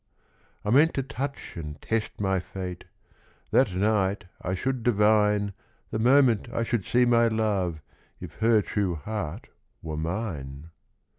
I meant to touch and test my fate; That night I should divine, The moment I should see my love, If her true heart were mine.